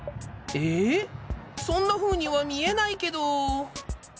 そんなふうにはみえないけど。